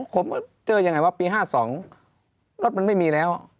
ผมเจอยังไงว่าปี๕๒รถมันไม่มีแล้ว